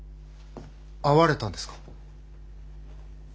会われたんですか？